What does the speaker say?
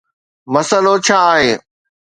مسئلو ڇا آهي؟